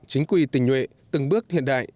chính quy tình nguyện từng bước hiện đại